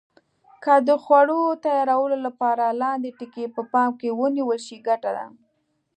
که د خوړو تیارولو لپاره لاندې ټکي په پام کې ونیول شي ګټه ده.